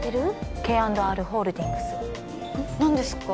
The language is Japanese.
Ｋ＆Ｒホールディングス何ですか？